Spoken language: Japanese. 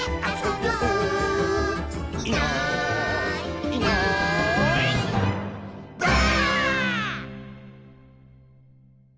「いないいないばあっ！」